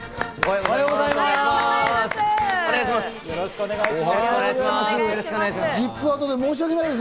おはようございます。